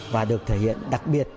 và được thể hiện đặc biệt